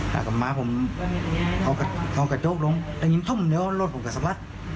แล้วกับม้าผมเอากระโจ๊กลงแล้วยิ้มทุ่มเดี๋ยวรถผมกระสับลัด